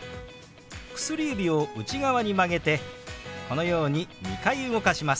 薬指を内側に曲げてこのように２回動かします。